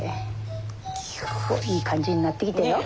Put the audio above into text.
おっいい感じになってきたよ。